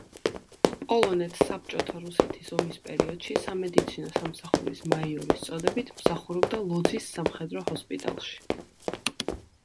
პოლონეთ-საბჭოთა რუსეთის ომის პერიოდში სამედიცინო სამსახურის მაიორის წოდებით, მსახურობდა ლოძის სამხედრო ჰოსპიტალში.